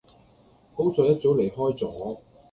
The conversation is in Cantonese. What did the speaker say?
好在一早離開左